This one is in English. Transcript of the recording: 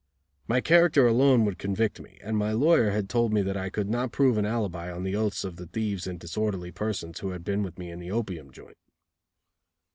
My character alone would convict me; and my lawyer had told me that I could not prove an alibi on the oaths of the thieves and disorderly persons who had been with me in the opium joint.